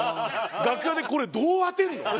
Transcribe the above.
楽屋で「これどう当てるの？」。